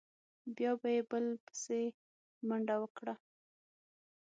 بیا به یې بل بسې منډه وکړه.